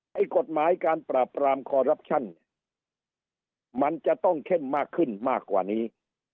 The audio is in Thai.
ให้กฎหมายการปราบปรามมันจะต้องเข้มมากขึ้นมากกว่านี้